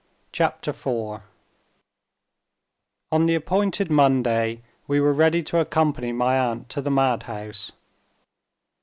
CHAPTER IV On the appointed Monday we were ready to accompany my aunt to the madhouse.